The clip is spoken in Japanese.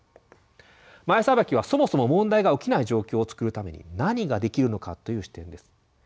前さばきは「そもそも問題が起きない状況」を作るために何ができるのかという視点です。